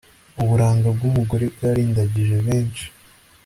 uburanga bw'umugore bwarindagije benshi